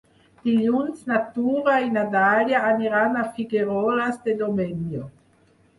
Dilluns na Tura i na Dàlia aniran a Figueroles de Domenyo.